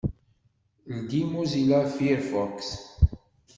Ldi Mozilla Firefox.